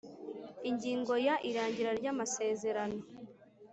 Ingingo ya Irangira ry amasezerano